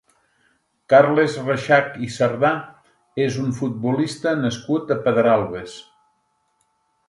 Carles Rexach i Cerdà és un futbolista nascut a Pedralbes.